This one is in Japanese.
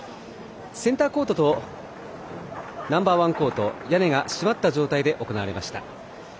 センターコートとナンバー１コートでは屋根が閉まった状態で行われました。